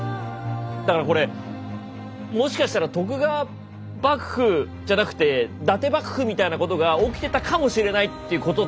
だからこれもしかしたら徳川幕府じゃなくて伊達幕府みたいなことが起きてたかもしれないっていうこと？